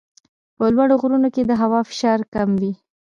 په لوړو غرونو کې د هوا فشار کم وي.